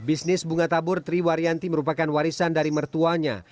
bisnis bunga tabur triwaryanti merupakan warisan dari mertuanya